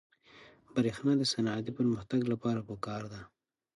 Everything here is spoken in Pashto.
برېښنا د صنعتي پرمختګ لپاره پکار ده.